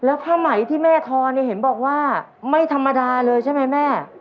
แล้วผ้าไหมที่แม่ทอเนี่ยเห็นบอกว่าไม่ธรรมดาเลยใช่ไหมแม่